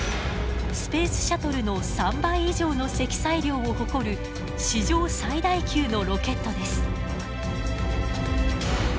スペースシャトルの３倍以上の積載量を誇る史上最大級のロケットです。